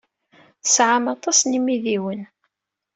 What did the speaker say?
Tesɛam aṭas n yimidiwen.